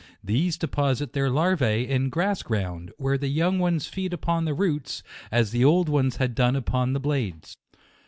These deposit their larvae in grass ground, where the young ones feed upon the roots, as the old ones had done upon the blades.